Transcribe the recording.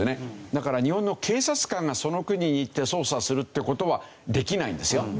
だから日本の警察官がその国に行って捜査するって事はできないんですよ。